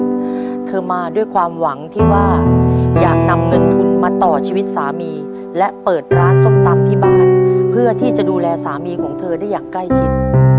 เพราะว่าเธอมาด้วยความหวังที่ว่าอยากนำเงินทุนมาต่อชีวิตสามีและเปิดร้านส้มตำที่บ้านเพื่อที่จะดูแลสามีของเธอได้อย่างใกล้ชิด